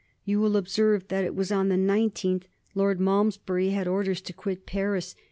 You will observe that it was on the 19th Lord Malmesbury had orders to quit Paris.